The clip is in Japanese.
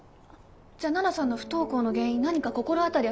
じゃ奈々さんの不登校の原因何か心当たりありますか？